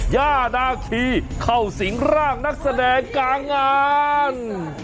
ย่านาคีเข้าสิงร่างนักแสดงกลางงาน